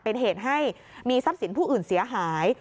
เป็นเหตุให้มีทรัพย์สินผู้อื่นเสียหาย